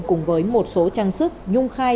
cùng với một số trang sức nhung khai